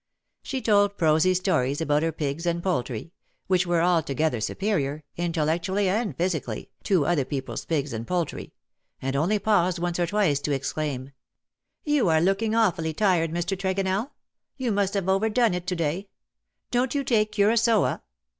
She told prosy stories about her pigs and poultry — which were altogether superior, intellectually and physically, to other people^s pigs and poultry — and only paused once or twice to exclaim, " You are looking awfully tired, Mr. Tregonell. You must have overdone it to day. Don^t you take cura9oa ?